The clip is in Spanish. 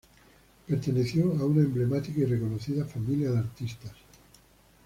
Perteneció a una emblemática y reconocida familia de artistas.